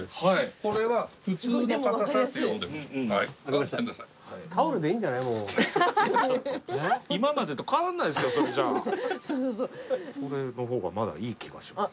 これの方がまだいい気がします。